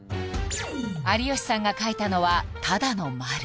有吉さんが描いたのはただの丸